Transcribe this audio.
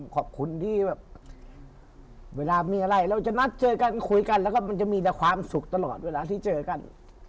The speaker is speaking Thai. ขอบคุณที่แบบเวลามีอะไรเราจะนัดเจอกันคุยกันแล้วก็มันจะมีแต่ความสุขตลอดเวลาที่เจอกัน